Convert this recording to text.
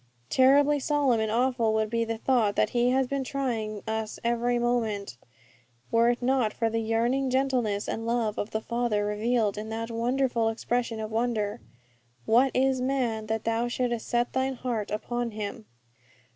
_' Terribly solemn and awful would be the thought that He has been trying us every moment, were it not for the yearning gentleness and love of the Father revealed in that wonderful expression of wonder, 'What is man, that Thou shouldest set Thine heart upon him?'